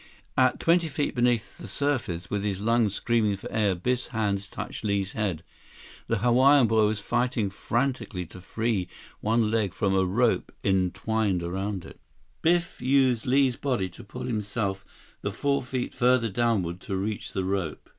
At twenty feet beneath the surface, with his lungs screaming for air, Biff's hands touched Li's head. The Hawaiian boy was fighting frantically to free one leg from a rope entwined around it. 147 Biff used Li's body to pull himself the four feet farther downward to reach the rope.